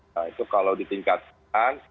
nah itu kalau ditingkatkan